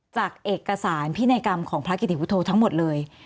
จากเอกสารพินัยกรรมของพระกิติวุฒโธทั้งหมดเลย